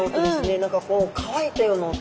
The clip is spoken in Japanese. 何かこう乾いたような音。